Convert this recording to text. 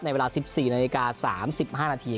ในเวลา๑๔นาฬิกาสามสิบห้านาที